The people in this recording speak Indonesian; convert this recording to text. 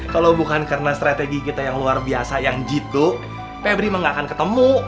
kalau bukan karena strategi kita yang luar biasa yang jitu pebrima nggak akan ketemu